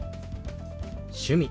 「趣味」。